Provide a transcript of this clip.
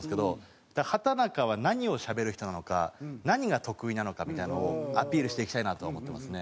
畠中は何をしゃべる人なのか何が得意なのかみたいなのをアピールしていきたいなとは思ってますね。